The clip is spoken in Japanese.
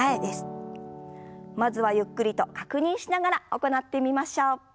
まずはゆっくりと確認しながら行ってみましょう。